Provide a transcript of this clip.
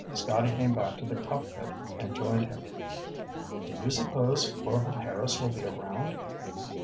Scotty came back to the cockpit and joined him. "Do you suppose Orvil Harris will be around?"